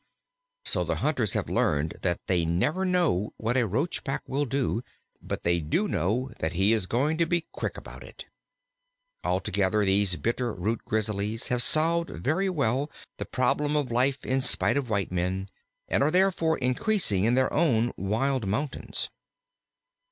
So the hunters have learned that they never know what a Roachback will do; but they do know that he is going to be quick about it. Altogether these Bitter root Grizzlies have solved very well the problem of life, in spite of white men, and are therefore increasing in their own wild mountains.